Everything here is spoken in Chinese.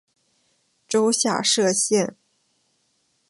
州下设县。